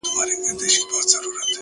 • د اوښکو ته مو لپې لوښي کړې که نه ـ